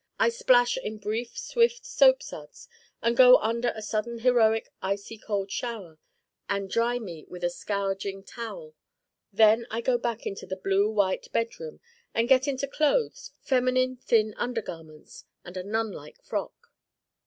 I splash in brief swift soapsuds, and go under a sudden heroic icy cold shower, and dry me with a scourging towel. Then I go back into the blue white bed room and get into clothes, feminine thin under garments and a nunlike frock.